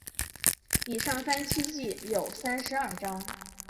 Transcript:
以上三期计有三十二章。